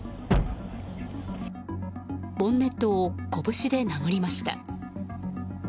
ボンネットを拳で殴りました。